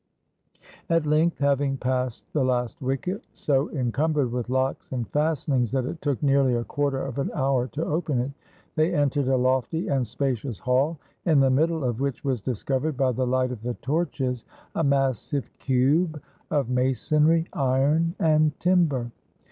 At length, having passed the last wicket, so encum bered with locks and fastenings that it took nearly a quarter of an hour to open it, they entered a lofty and spacious hall in the middle of which was discovered by the light of the torches a massive cube of masonry, iron, and timber.